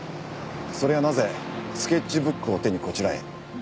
それがなぜスケッチブックを手にこちらへ？